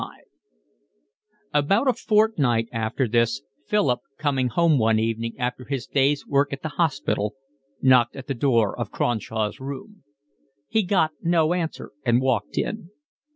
LXXXV About a fortnight after this Philip, going home one evening after his day's work at the hospital, knocked at the door of Cronshaw's room. He got no answer and walked in.